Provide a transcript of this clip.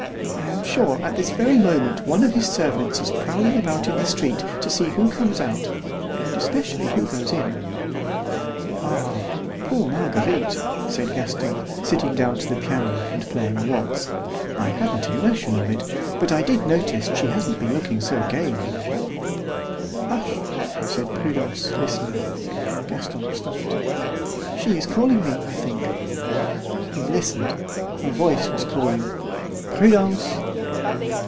I am sure at this very moment one of his servants is prowling about in the street to see who comes out, and especially who goes in." "Ah, poor Marguerite!" said Gaston, sitting down to the piano and playing a waltz. "I hadn't a notion of it, but I did notice she hasn't been looking so gay lately." "Hush," said Prudence, listening. Gaston stopped. "She is calling me, I think." We listened. A voice was calling, "Prudence!"